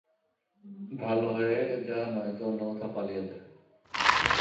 ভালো হয়ে যা নয়তো অন্যকোথাও পালিয়ে যা।